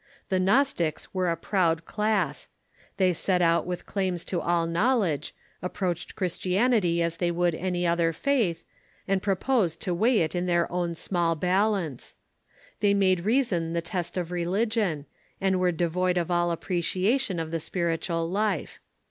The Gnostics were a proud class. They set out with claims to all knowledge, approached Christianity as they Avould any other faith, and proposed to weigh it in their own small bal ance. They made reason the test of religion, and were devoid of all appreciation of the spiritual life.